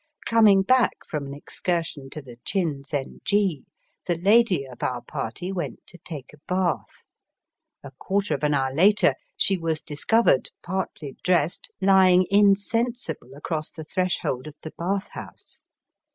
Coming back from an excursion to the Chin zen ji, the lady of our party went to take a bath. A quarter of an hour later she was discovered, partly dressed, lying insensible across the threshold of the bath house.